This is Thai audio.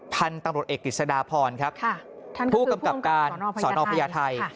ท่านตำรวจเอกดิสดาพรผู้กำกับการศภัยไทย